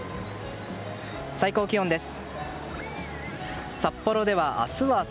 最高気温です。